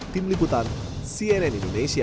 tim liputan cnn indonesia